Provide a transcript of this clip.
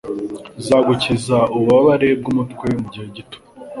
Bizagukiza ububabare bwumutwe mugihe gito.